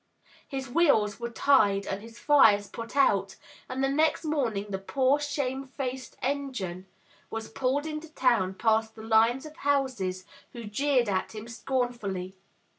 His wheels were tied, and his fires put out, and the next morning the poor, shame faced engine was pulled into town past the lines of houses, who jeered at him scornfully.